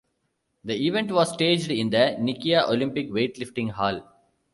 The event was staged in the Nikaia Olympic Weightlifting Hall.